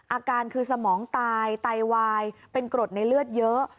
อาการคือสมองตายไตวายเป็นกรดในเลือดเยอะ